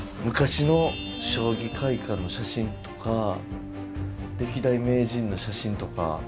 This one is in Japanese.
昔の将棋会館の写真とか歴代名人の写真とか。